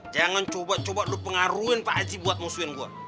jangan coba coba lo pengaruhin pak haji buat musuhin gue